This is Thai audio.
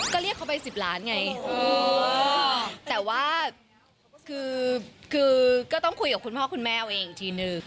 ก็เรียกเขาไป๑๐ล้านไงแต่ว่าคือก็ต้องคุยกับคุณพ่อคุณแม่เอาเองอีกทีนึง